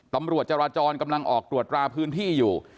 ตำรวจจราจรกำลังออกตรวจราพื้นที่อยู่